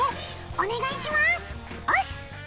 お願いしますおす！